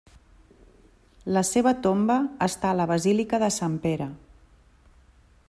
La seva tomba està a la Basílica de Sant Pere.